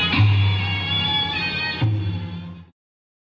สุดท้ายสุดท้ายสุดท้าย